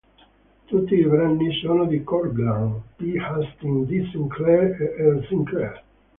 Tutti i brani sono di Coughlan, P. Hastings, D. Sinclair e R. Sinclair